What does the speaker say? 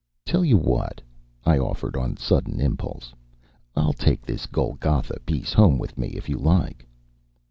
"Tell you what," I offered on sudden impulse; "I'll take this Golgotha piece home with me, if you like."